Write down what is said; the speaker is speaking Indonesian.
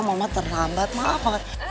mama terlambat maaf